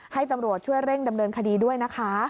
ให้ตำรวจช่วยเร่งดำเนินคดีด้วยนะคะ